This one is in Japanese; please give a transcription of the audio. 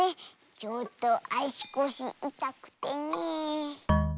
ちょっとあしこしいたくてねえ。